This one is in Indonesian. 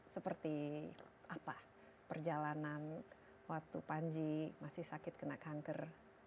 seperti apa perjalanan waktu panji masih sakit kena kanker